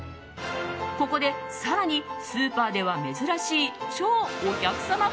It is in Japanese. ここで更にスーパーでは珍しい超お客様